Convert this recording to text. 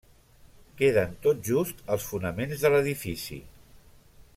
Queden tot just els fonaments de l'edifici.